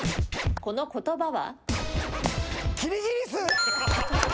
この言葉は？